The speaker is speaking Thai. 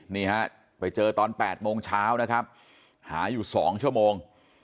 นี่ฮะไปเจอตอน๘โมงเช้านะครับหาอยู่๒ชั่วโมง